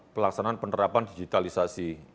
pelaksanaan penerapan digitalisasi